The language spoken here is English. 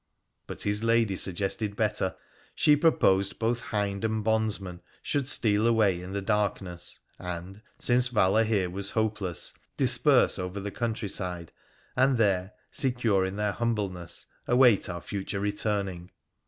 But his lady suggested better. She proposed both hind and bondsmen should steal away in the darkness, and, since valour here was hopeless, disperse over the countryside, and there, secure in their humbleness, await our future returning.